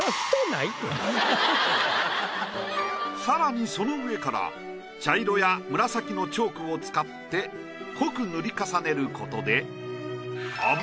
さらにその上から茶色や紫のチョークを使って濃く塗り重ねることで。